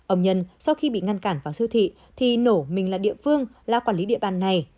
âm nhân sau khi bị ngăn cản vào siêu thị thì nổ mình là địa phương là quản lý địa bàn này